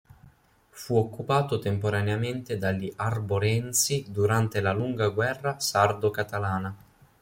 Fu occupato temporaneamente dagli arborensi durante la lunga guerra sardo-catalana.